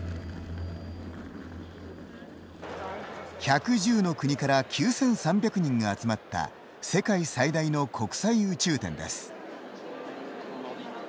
１１０の国から９３００人が集まった世界最大の国際宇宙展です。